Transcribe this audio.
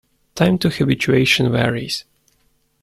Time to habituation varies.